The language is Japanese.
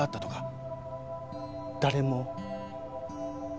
誰も。